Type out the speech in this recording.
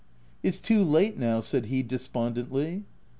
u It's too late now/' said he despondently.